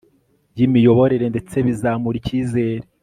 y imiyoborere ndetse bizamura icyizere